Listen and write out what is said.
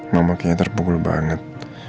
mama kayaknya terpukul banget